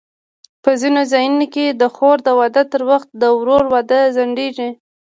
په ځینو ځایونو کې د خور د واده تر وخته د ورور واده ځنډېږي.